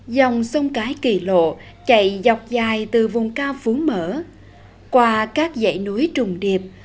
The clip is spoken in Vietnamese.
dòng sông cái kỳ lộ chạy dọc dài từ vùng cao phú mở qua các dãy núi trùng điệp